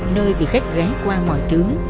nơi vì khách gái qua mọi thứ